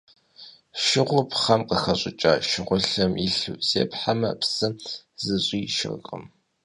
Шыгъур пхъэм къыхэщӀыкӀа шыгъулъэм илъу зепхьэмэ, псы зыщӀишэркъым.